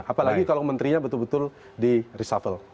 apalagi kalau mentrinya betul betul di resuffle